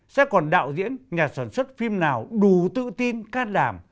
sẽ còn đạo diễn nhà sản xuất phim nào đủ tự tin cát đàm